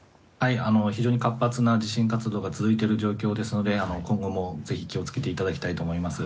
非常に活発な地震活動が続いている状況ですので今後もぜひ気を付けていただきたいと思います。